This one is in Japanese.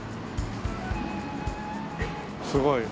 すごい。